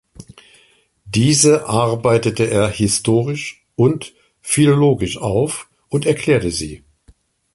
Diese arbeitete er historisch und philologisch auf und erklärte sie.